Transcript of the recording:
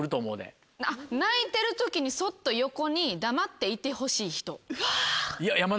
泣いてる時にそっと横に黙っていてほしい人。